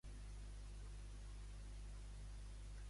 Tombatossals va existir realment?